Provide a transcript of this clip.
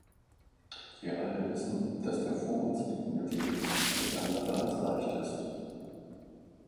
Wir alle wissen, dass der vor uns liegende Weg alles andere als leicht ist.